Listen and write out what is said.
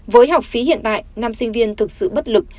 với học phí hiện tại năm sinh viên thực sự bất lực